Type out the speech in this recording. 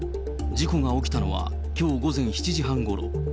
事故が起きたのは、きょう午前７時半ごろ。